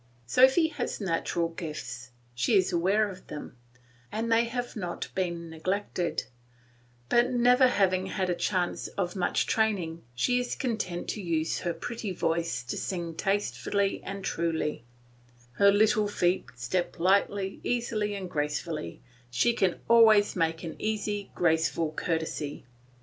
Sophy has natural gifts; she is aware of them, and they have not been neglected; but never having had a chance of much training she is content to use her pretty voice to sing tastefully and truly; her little feet step lightly, easily, and gracefully, she can always make an easy graceful courtesy.